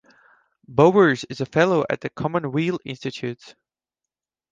Bowers is a Fellow at the Commonweal Institute.